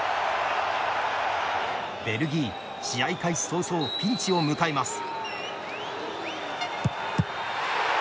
ベルギー試合開始早々ピンチを迎えます。